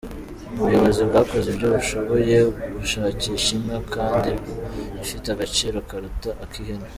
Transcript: Ubuyobozi bwakoze ibyo bushoboye bushakisha inka kandi ifite agaciro karuta ak’ihene”.